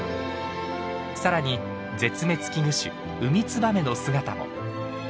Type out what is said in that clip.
さらに絶滅危惧種ウミツバメの姿も。